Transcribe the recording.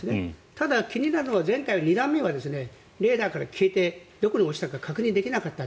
ただ、気になるのは前回２段目はレーダーから消えてどこに落ちたか確認できなかった。